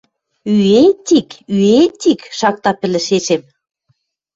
— Ӱэ-тик, ӱэ-тик! — шакта пӹлӹшешем.